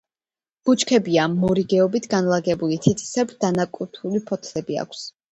ბუჩქებია, მორიგეობით განლაგებული, თათისებრ დანაკვთული ფოთლები აქვთ.